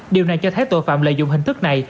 điều này cho thấy tội phạm lợi dụng hình thức này